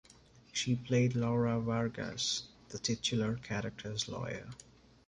She played Laura Vargas, the titular character's lawyer.